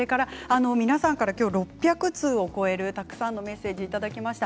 皆さんから今日６００通を超えるたくさんのメッセージをいただきました。